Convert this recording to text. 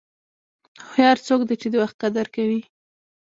هوښیار څوک دی چې د وخت قدر کوي.